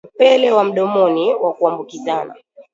Upele wa mdomoni wa kuambukizana